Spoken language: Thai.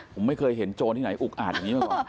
ผมไม่เคยเห็นโจรที่ไหนอุกอาดอย่างนี้มาก่อน